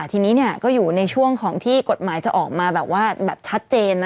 ทีนี้ก็อยู่ในช่วงของที่กฎหมายจะออกมาแบบว่าแบบชัดเจน